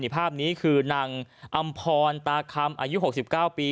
ภาพนี้คือนางอำพรตาคำอายุ๖๙ปี